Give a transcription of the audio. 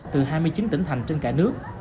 từ hai mươi chín tỉnh thành trên cả nước